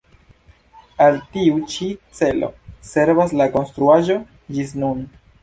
Al tiu ĉi celo servas la konstruaĵo ĝis nun.